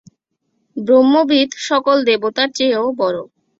ব্রহ্মবিৎ সকল দেবতার চেয়েও বড়।